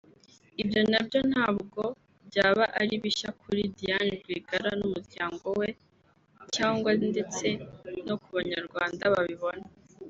Ibyo nabyo ntabwo byaba ari bishya kuri Diane Rwigara n’umuryango we cyangwa ndetse no ku banyarwanda babibona